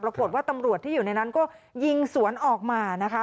ปรากฏว่าตำรวจที่อยู่ในนั้นก็ยิงสวนออกมานะคะ